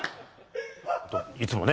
いつもね